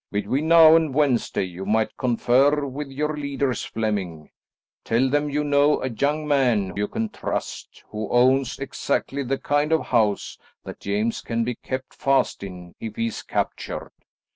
Between now and Wednesday you might confer with your leaders, Flemming. Tell them you know a young man you can trust, who owns exactly the kind of house that James can be kept fast in, if he is captured.